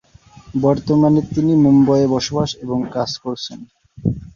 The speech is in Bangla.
বর্তমানে তিনি মুম্বইয়ে বসবাস এবং কাজ করছেন।